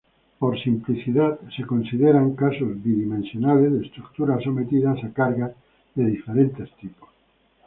Por simplicidad se consideran casos bidimensionales de estructuras sometidas a cargas de diferentes tipos.